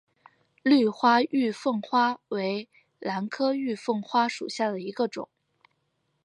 绿花玉凤花为兰科玉凤花属下的一个种。